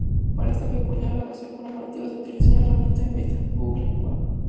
Para esta peculiar redacción colaborativa se utilizó una herramienta en beta: Google Wave.